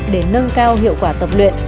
để nâng cao hiệu quả tập luyện